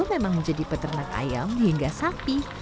memang menjadi peternak ayam hingga sapi